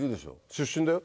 出身だよ